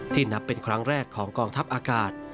นับเป็นครั้งแรกของกองทัพอากาศ